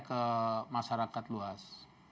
ke masyarakat luas